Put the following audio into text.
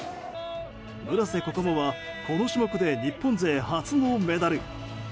村瀬心椛はこの種目で日本勢初のメダル。